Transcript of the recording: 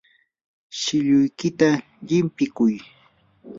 shilluykita llimpikuy.